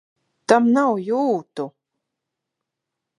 Tam nav jūtu!